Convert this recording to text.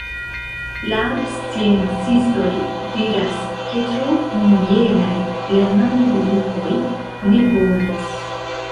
La sciencistoj diras, ke tro homogenaj lernanto-grupoj ne bonas.